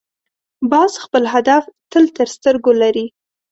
باز خپل هدف تل تر سترګو لري